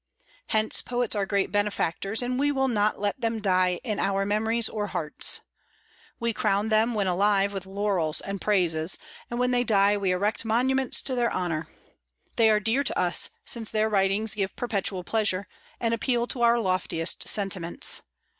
Hence poets are great benefactors, and we will not let them die in our memories or hearts. We crown them, when alive, with laurels and praises; and when they die, we erect monuments to their honor. They are dear to us, since their writings give perpetual pleasure, and appeal to our loftiest sentiments.